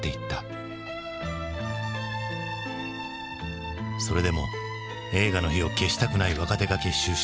それでも映画の火を消したくない若手が結集して１作目を完成させる。